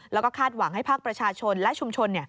แล้วก็คาดหวังให้ภาคประชาชนและชุมชน